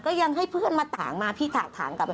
ก็ยังให้เพื่อนมาถ่างพี่ถากถางล่ะ